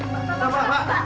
pak pak pak